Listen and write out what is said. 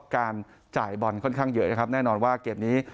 การจ่ายบอลค่อนข้างเยอะนะครับแน่นอนว่าเกมนี้